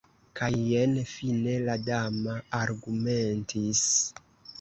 Kaj jen fine la dama argumentis.